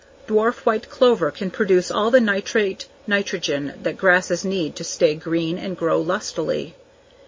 Dwarf white clover can produce all the nitrate nitrogen that grasses need to stay green and grow lustily.